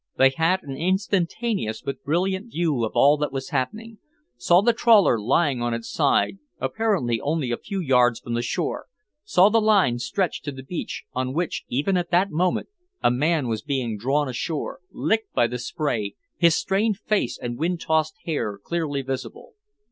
They had an instantaneous but brilliant view of all that was happening, saw the trawler lying on its side, apparently only a few yards from the shore, saw the line stretched to the beach, on which, even at that moment, a man was being drawn ashore, licked by the spray, his strained face and wind tossed hair clearly visible.